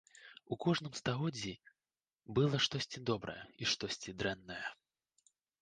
У кожным стагоддзі было штосьці добрае і штосьці дрэннае.